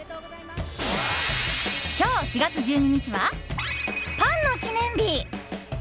今日４月１２日はパンの記念日。